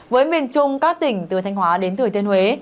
với miền trung các tỉnh từ thanh hóa đến thừa thiên huế